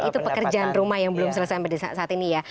itu pekerjaan rumah yang belum selesai sampai saat ini ya